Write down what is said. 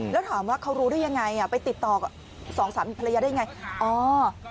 แล้วถามว่าเขารู้ได้ยังไงไปติดต่อกับสองสามีภรรยาได้ไงอ๋อ